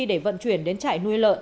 để vận chuyển đến trại nuôi lợn